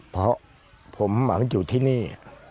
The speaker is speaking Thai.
เพราะผมหวังอยู่ที่นี่